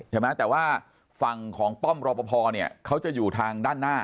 ใช่ไหมแต่ว่าฝั่งของป้อมรอปภเนี่ยเขาจะอยู่ทางด้านหน้า